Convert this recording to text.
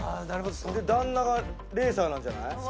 旦那がレーサーなんじゃない？